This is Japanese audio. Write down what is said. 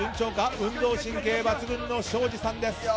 運動神経抜群の庄司さんです。